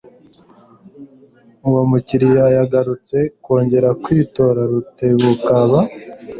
Uwo mukiriya yagarutse kongera kwitoRutebukaba.